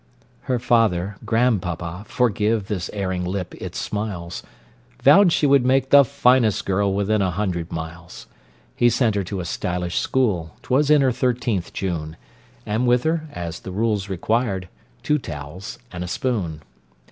Her father grandpapa! forgive This erring lip its smiles Vowed she would make the finest girl Within a hundred miles. He sent her to a stylish school; 'Twas in her thirteenth June; And with her, as the rules required, "Two towels and a spoon."